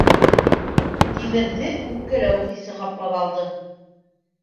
Тимерҙе үпкәләү хисе ҡаплап алды.